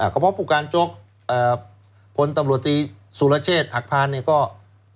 ก็เพราะปกการจกพลตำรวจตีศูลเชษอักพรรณเนี่ย